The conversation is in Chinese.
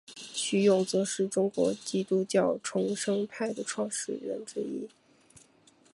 徐永泽是中国基督教重生派的创始人之一。